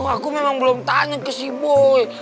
aku memang belum tanya ke si boy